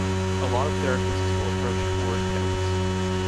A lot of therapists will approach four gites.